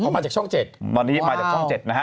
มาจากช่อง๗ว้าวมาจากช่อง๗นะฮะ